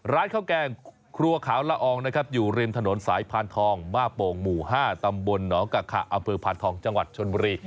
ร้านข้าวแกงครัวขาวละอองนะครับอยู่ริมถนนสายพานทองมาโป่งหมู่๕ตำบลหนองกะขะอำเภอพานทองจังหวัดชนบุรี